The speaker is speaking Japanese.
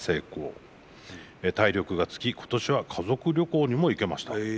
体力がつき今年は家族旅行にも行けました。